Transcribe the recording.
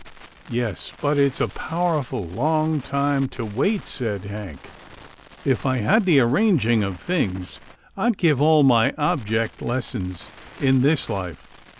'*" Yes, but it's a powerful long time to wait," said Hank. If I had the arranging of things. 250 'TILDA JANE'S ORPHANS I'd give all my object lessons in this life.